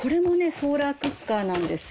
ソーラークッカーなんですよ。